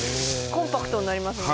コンパクトになりますね。